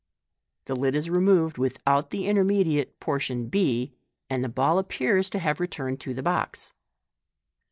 The lid is removed without the intermedial : portion b, and the ball appears to have returned to the box.